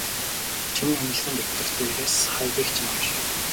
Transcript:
Чиний эмнэлгийн дэвтэр дээрээс хаягийг чинь уншаад.